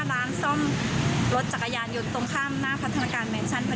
มาด้วยรถรถจักรยานยนต์นะคะประมาณซักสิบกว่าคนหรืออาจจะ